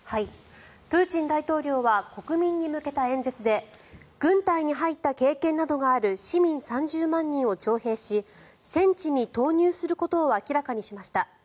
プーチン大統領は国民に向けた演説で軍隊に入った経験などがある市民３０万人を徴兵し戦地に投入することを明らかにしました。